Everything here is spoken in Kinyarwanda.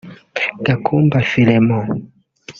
Gakumba Philemon